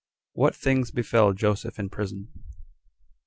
What Things Befell Joseph In Prison.